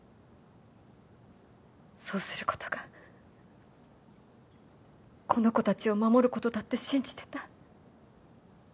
そうすることがこの子たちを守ることだって信じてた。